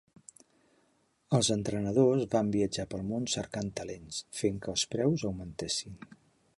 Els entrenadors van viatjar pel món cercant talents, fent que els preus augmentessin.